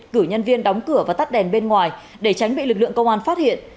cử nhân viên đóng cửa và tắt đèn bên ngoài để tránh bị lực lượng công an phát hiện